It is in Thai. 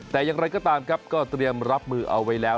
แต่อย่างไรก็ตามครับก็เตรียมรับมือเอาไว้แล้ว